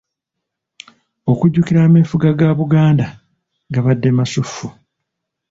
Okujjukira ameefuga ga Buganda gabadde masuffu.